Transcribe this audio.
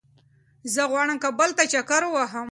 زه غواړم کابل ته چکر ووهم